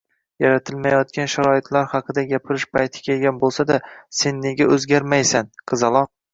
yaratilmayotgan sharoitlar haqida gapirish payti kelgan bo‘lsa-da sen nega o‘zgarmaysan, qizaloq?